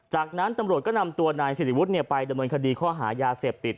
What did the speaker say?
จากนั้นตำรวจก็นำตัวนายสิริวุฒิไปดำเนินคดีข้อหายาเสพติด